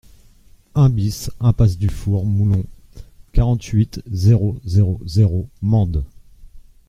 un BIS impasse du Four Moulon, quarante-huit, zéro zéro zéro, Mende